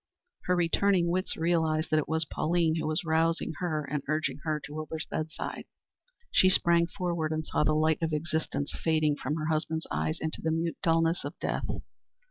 Her returning wits realized that it was Pauline who was arousing her and urging her to Wilbur's bed side. She sprang forward, and saw the light of existence fading from her husband's eyes into the mute dulness of death.